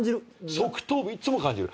側頭部いっつも感じる。